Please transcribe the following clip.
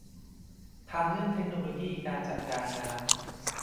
ทั้งเรื่องเทคโนโลยีการจัดการน้ำ